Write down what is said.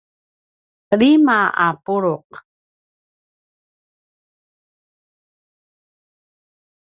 lima a pulu’